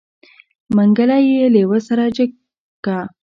منګلی يې لېوه سره جګ که.